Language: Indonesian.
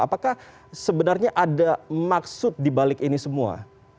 apakah sebenarnya ada maksud dibalik ini semua